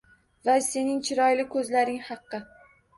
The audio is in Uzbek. Va Sening chiroyli ko’zlaring haqqi…